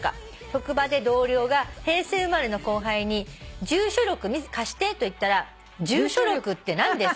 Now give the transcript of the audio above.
職場で同僚が平成生まれの後輩に『住所録貸して』と言ったら『住所録って何ですか？』」